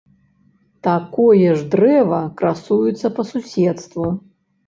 Такое ж дрэва красуецца па суседству.